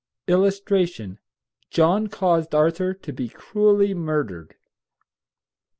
[Illustration: JOHN CAUSED ARTHUR TO BE CRUELLY MURDERED.